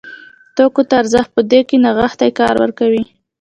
توکو ته ارزښت په دوی کې نغښتی کار ورکوي.